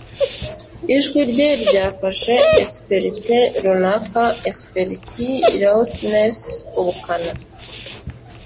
Ijwi rye ryafashe asperite runaka asperity roughness ubukana